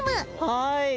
はい。